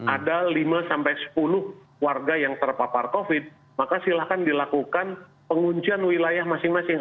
ada lima sampai sepuluh warga yang terpapar covid maka silahkan dilakukan penguncian wilayah masing masing